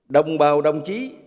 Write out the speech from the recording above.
đồng bào đồng chí